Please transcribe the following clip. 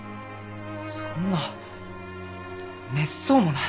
そんなめっそうもない！